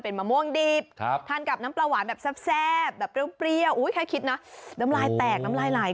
พูดต้องค่ะมะม่วงน้ำปลาหวาน